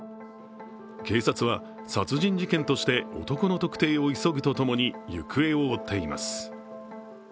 警察は殺人事件として男の特定を急ぐとともに行方を追っています。